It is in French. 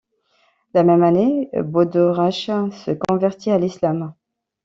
La même année, Bodo Rasch se convertit à l’islam.